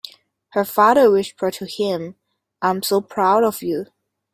Her father whispered to him, "I am so proud of you!"